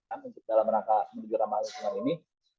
untuk dalam rangka menuju ramah lingkungan ini